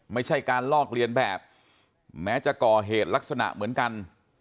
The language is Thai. ไม่ใช่การลอกเลียนแบบแม้จะก่อเหตุลักษณะเหมือนกัน